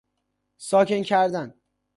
ساکن کردن